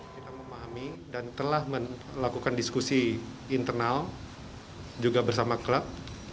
kita memahami dan telah melakukan diskusi internal juga bersama klub